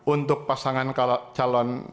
untuk pasangan kalau calon